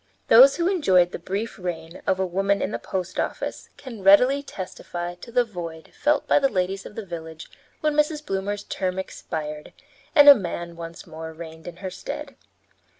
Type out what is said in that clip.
Those who enjoyed the brief reign of a woman in the post office can readily testify to the void felt by the ladies of the village when Mrs. Bloomer's term expired and a man once more reigned in her stead.